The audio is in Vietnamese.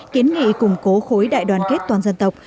kiến nghị củng cố khối đại đoàn kết toàn dân tộc